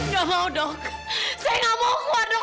gak mau dok saya gak mau keluar dok